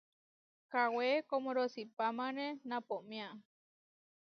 Kawé koʼmorosípamane naʼpomiá.